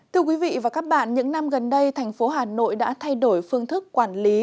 thưa quý vị và các bạn những năm gần đây thành phố hà nội đã thay đổi phương thức quản lý